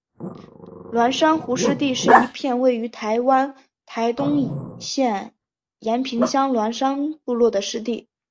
鸾山湖湿地是一片位于台湾台东县延平乡鸾山部落的湿地。